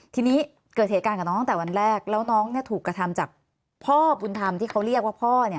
ทีนี้เกิดเหตุการณ์กับน้องตั้งแต่วันแรกแล้วน้องถูกกระทำจากพ่อบุญธรรมที่เขาเรียกว่าพ่อ